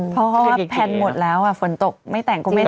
เพราะว่าแพลนหมดแล้วฝนตกไม่แต่งก็ไม่ได้